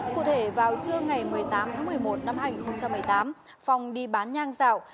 cụ thể vào trưa ngày một mươi tám tháng một mươi một năm hai nghìn một mươi tám phong đi bán nhang dạo